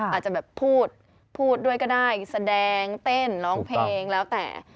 อาจจะแบบพูดพูดด้วยก็ได้แสดงเต้นร้องเพลงแล้วแต่